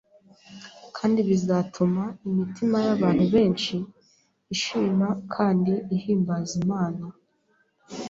kandi bizatuma imitima y’abantu benshi ishima kandi ihimbaza Imana.